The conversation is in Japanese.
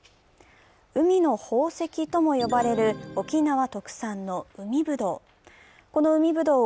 海の宝石とも呼ばれる沖縄特産の海ぶどう。